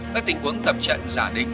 các tình huống tập trận giả định